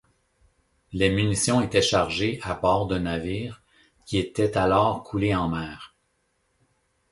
Les munitions étaient chargées à bord de navires, qui étaient alors coulés en mer.